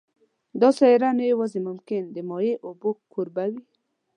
دا سیاره نه یوازې ممکن د مایع اوبو کوربه وي